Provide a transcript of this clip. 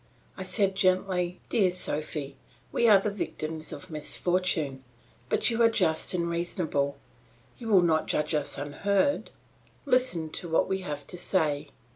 I said gently, "Dear Sophy, we are the victims of misfortune; but you are just and reasonable; you will not judge us unheard; listen to what we have to say."